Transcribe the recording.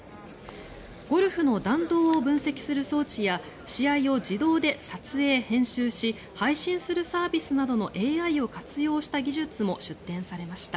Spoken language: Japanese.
ゴルフの弾道を分析する装置や試合を自動で撮影・編集し配信するサービスなどのＡＩを活用した技術も出展されました。